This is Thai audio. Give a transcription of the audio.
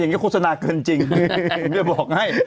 อย่างนี้คุศนาเกินจริงอย่าบอกให้